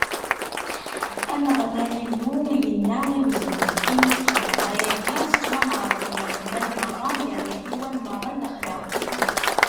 Ameɣlal Illu yenna i uzrem: Imi i txedmeḍ ayagi, tettwaneɛleḍ gar lmal meṛṛa, gar lḥiwan meṛṛa n lexla.